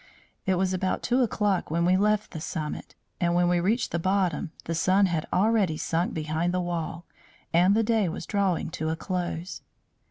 It was about two o'clock when we left the summit; and when we reached the bottom the sun had already sunk behind the wall, and the day was drawing to a close.